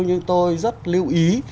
nhưng tôi rất lưu ý